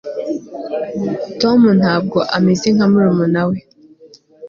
tom ntabwo ameze nka murumuna we